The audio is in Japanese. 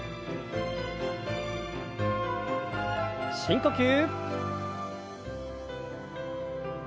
深呼吸。